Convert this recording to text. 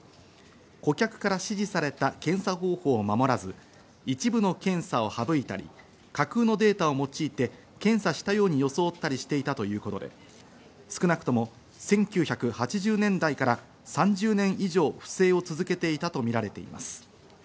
顧客から指示された検査方法を守らず、一部の検査を省いたり、架空のデータを用いて検査したように装ったりしていたということで、少なくとも１９８０年代から３０年以上、不正を続けていたとみられています。